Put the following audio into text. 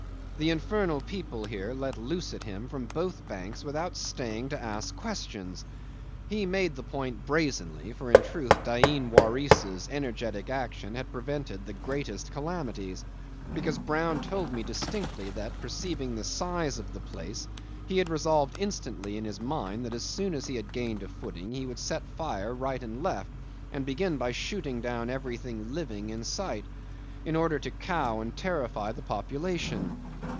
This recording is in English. The infernal people here let loose at him from both banks without staying to ask questions. He made the point brazenly, for, in truth, Dain Waris's energetic action had prevented the greatest calamities; because Brown told me distinctly that, perceiving the size of the place, he had resolved instantly in his mind that as soon as he had gained a footing he would set fire right and left, and begin by shooting down everything living in sight, in order to cow and terrify the population.